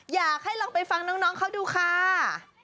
อยากให้ลองไปฟังน้องเขาดูค่ะ